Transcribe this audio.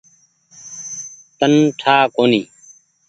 تن ٺآ ڪونيٚ ۔